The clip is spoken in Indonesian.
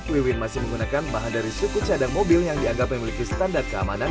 wewin masih menggunakan bahan dari suku cadang mobil yang dianggap memiliki standar keamanan